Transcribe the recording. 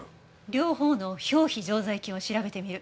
両方の表皮常在菌を調べてみる。